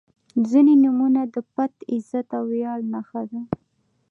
• ځینې نومونه د پت، عزت او ویاړ نښه ده.